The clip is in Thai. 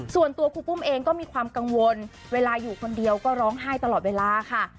ครูปุ้มเองก็มีความกังวลเวลาอยู่คนเดียวก็ร้องไห้ตลอดเวลาค่ะ